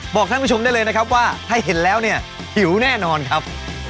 ท่านผู้ชมได้เลยนะครับว่าถ้าเห็นแล้วเนี่ยหิวแน่นอนครับ